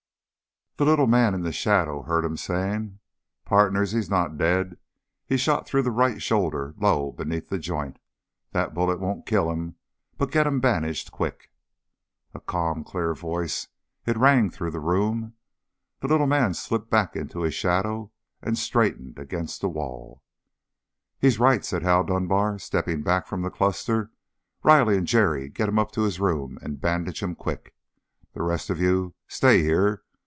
The little man in the shadow heard him saying, "Pardners, he's not dead. He's shot through the right shoulder, low, beneath the joint. That bullet won't kill him, but get him bandaged quick!" A calm, clear voice, it rang through the room. The little man slipped back into his shadow, and straightened against the wall. "He's right," said Hal Dunbar, stepping back from the cluster. "Riley and Jerry, get him up to his room and bandage him, quick! The rest of you stay here.